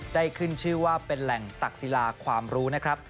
ขึ้นชื่อว่าเป็นแหล่งตักศิลาความรู้นะครับ